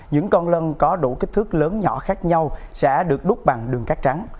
những con lân có đủ kích thước lớn nhỏ khác nhau sẽ được đúc bằng đường cát trắng